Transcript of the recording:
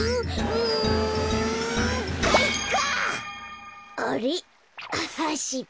うんかいか！